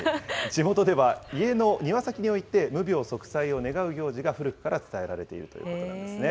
地元では家の庭先に置いて、無病息災を願う行事が古くから伝えられているということなんですね。